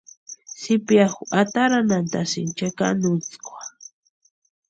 Zipiaju ataranhantʼasïni chekanuntskwa.